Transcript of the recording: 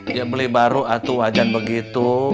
dia beli baru atau wajan begitu